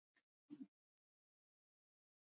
• سړی باید زغم ولري.